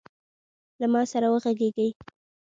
له ما سره وغږیږﺉ .